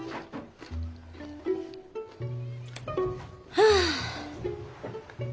はあ。